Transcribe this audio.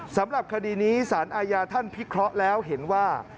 สำหรับคดีนี้สารอาญาท่านพิเคราะห์แล้วเห็นว่า